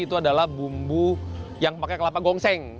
itu adalah bumbu yang pakai kelapa gongseng